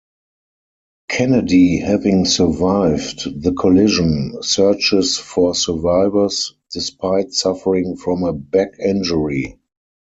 Kennedy, having survived the collision, searches for survivors, despite suffering from a back injury.